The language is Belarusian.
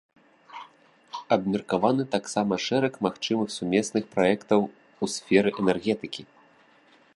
Абмеркаваны таксама шэраг магчымых сумесных праектаў у сферы энергетыкі.